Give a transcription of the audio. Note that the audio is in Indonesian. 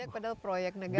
padahal proyek negara